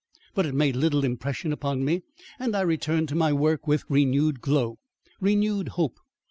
But it made little impression upon me, and I returned to my work with renewed glow, renewed hope.